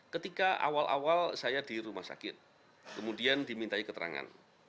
ketika awal awal saya di rumah sakit kemudian dimintai keterangan